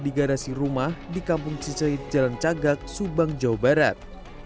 di garasi rumah di kampung cisehit jalan cagak subang jawa barat